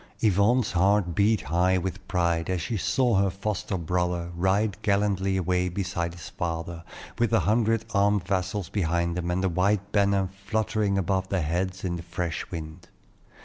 Yvonne's heart beat high with pride as she saw her foster brother ride gallantly away beside his father, with a hundred armed vassals behind them, and the white banner fluttering above their heads in the fresh wind.